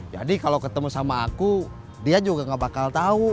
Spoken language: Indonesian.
jadi kalau ketemu sama aku dia juga gak bakal tau